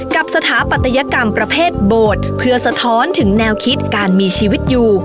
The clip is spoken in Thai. สถาปัตยกรรมประเภทโบสถ์เพื่อสะท้อนถึงแนวคิดการมีชีวิตอยู่